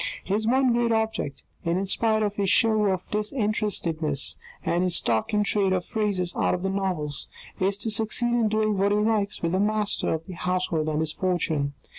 His one great object, in spite of his show of disinterestedness, and his stock in trade of phrases out of novels, is to succeed in doing what he likes with the master of the household and his fortune.